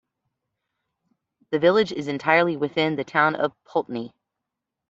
The village is entirely within the town of Poultney.